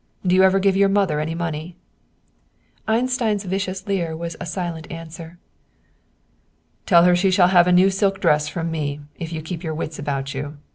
Do you ever give your mother any money?" Einstein's vicious leer was a silent answer. "Tell her she shall have a new silk dress from me, if you keep your wits about you.